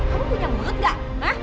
kamu punya mulut gak